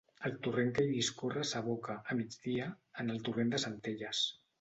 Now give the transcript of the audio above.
El torrent que hi discorre s'aboca, a migdia, en el torrent de Centelles.